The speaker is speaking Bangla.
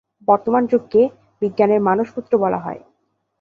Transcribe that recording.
বর্তমান যুগকে বিজ্ঞানের মানসপুত্র বলা হয়।